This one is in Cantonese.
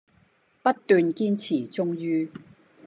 不斷堅持，終於